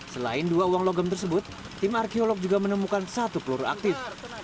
selain dua uang logam tersebut tim arkeolog juga menemukan satu peluru aktif